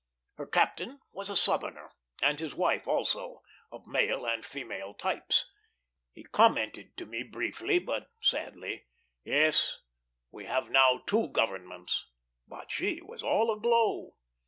Her captain was a Southerner, and his wife also; of male and female types. He commented to me briefly, but sadly, "Yes, we have now two governments"; but she was all aglow.